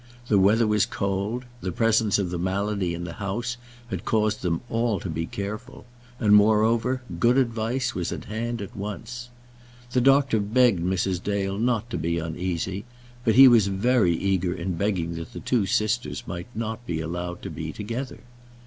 The weather was cold. The presence of the malady in the house had caused them all to be careful, and, moreover, good advice was at hand at once. The doctor begged Mrs. Dale not to be uneasy, but he was very eager in begging that the two sisters might not be allowed to be together.